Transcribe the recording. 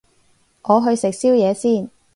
我去食宵夜先